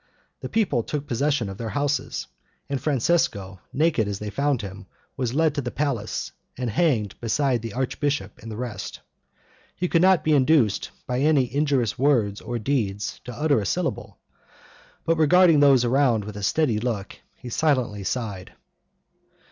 The people took possession of their houses, and Francesco, naked as they found him, was led to the palace, and hanged beside the archbishop and the rest. He could not be induced, by any injurious words or deeds, to utter a syllable, but regarding those around with a steady look, he silently sighed.